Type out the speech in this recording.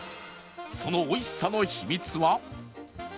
その美味しさの秘密は